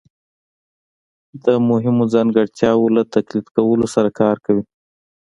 د مهمو ځانګړتیاوو له تقلید کولو سره کار کوي